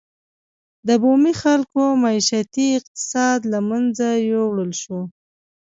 د بومي خلکو معیشتي اقتصاد له منځه یووړل شو.